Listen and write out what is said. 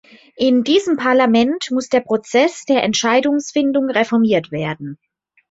In diesem Parlament muss der Prozess der Entscheidungsfindung reformiert werden.